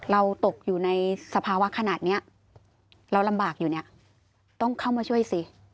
เราตกอยู่ในสภาวะขนาดนี้เราลำบากอยู่เนี่ยต้องเข้ามาช่วยสิ